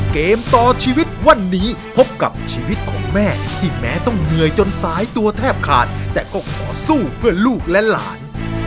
เกมต่อชีวิตวันนี้พบกับชีวิตของแม่ที่แม้ต้องเหนื่อยจนสายตัวแทบขาดแต่ก็ขอสู้เพื่อลูกและหลาน